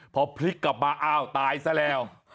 พอพลิกกลับมาอ้าวตายซะแล้ว